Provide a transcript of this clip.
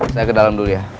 saya ke dalam dulu ya